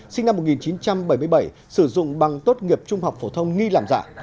sinh năm một nghìn chín trăm bảy mươi bảy sử dụng bằng tốt nghiệp trung học phổ thông nghi làm giả